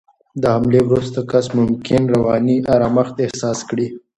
د حملې وروسته کس ممکن رواني آرامښت احساس کړي.